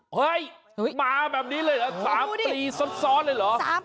เฮ้ยมาแบบนี้เลยเหรอ๓ปีซ้อนเลยเหรอ